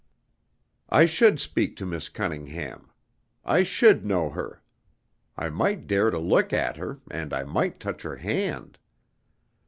I should speak to Miss Cunningham. I should know her. I might dare to look at her, and I might touch her hand.